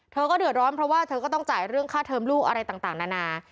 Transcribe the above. เธอก็เดือดร้อนเพราะว่าเธอก็ต้องจ่ายเรื่องค่าเทิมลูกอะไรต่างนานา